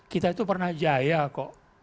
kita itu pernah jaya kok